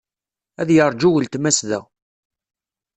Ad yeṛju weltma-s da.